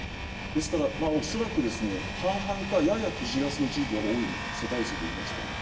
ですから恐らくですね、半々かやや都市ガスの地域が多い、世帯数で言いますと。